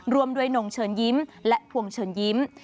ร่วมด้วยนงเชิญยิ้มและพวงเชิญยิ้ม